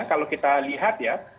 kalau kita lihat ya